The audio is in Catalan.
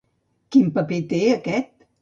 Quin paper té aquest?